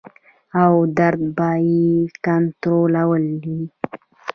او درد به ئې کنټرول وي -